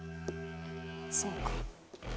そうか。